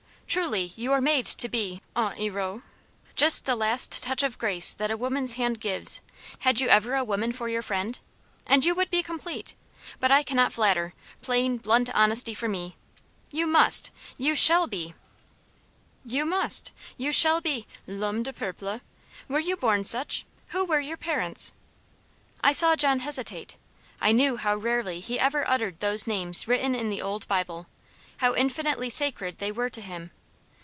Truly you are made to be 'un hero' just the last touch of grace that a woman's hand gives had you ever a woman for your friend? and you would be complete. But I cannot flatter plain, blunt honesty for me. You must you shall be 'l'homme du peuple.' Were you born such? Who were your parents?" I saw John hesitate; I knew how rarely he ever uttered those names written in the old Bible how infinitely sacred they were to him.